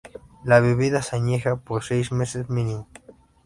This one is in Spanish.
La bebida se añeja por seis meses mínimo.